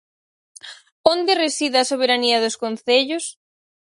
¿Onde reside a soberanía dos concellos?